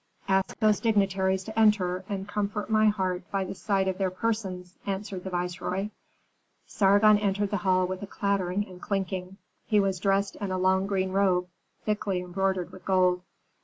"Ask those dignitaries to enter and comfort my heart by the sight of their persons," answered the viceroy. Sargon entered the hall with a clattering and clinking. He was dressed in a long green robe, thickly embroidered with gold.